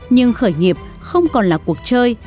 nhưng khởi nghiệp không còn là cuộc chơi